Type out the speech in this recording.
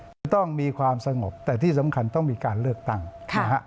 จะต้องมีความสงบแต่ที่สำคัญต้องมีการเลือกตั้งนะฮะ